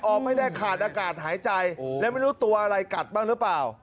ออกไม่ได้ขาดอากาศหายใจและไม่รู้ตัวอะไรกัดบ้างหรือเปล่า